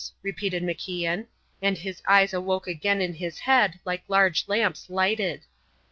repeated MacIan, and his eyes awoke again in his head like large lamps lighted.